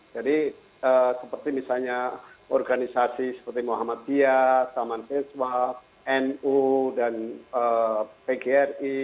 jadi seperti misalnya organisasi seperti muhammadiyah taman feswa nu dan pgri